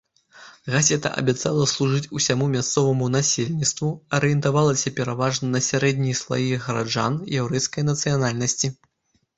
Газета абяцала служыць усяму мясцоваму насельніцтву, арыентавалася пераважна на сярэднія слаі гараджан яўрэйскай нацыянальнасці.